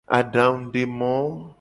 Adangudemo.